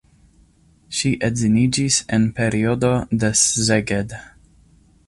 Ŝi edziniĝis en periodo de Szeged.